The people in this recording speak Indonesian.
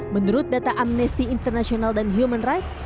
menurut data amnesty international dan human rights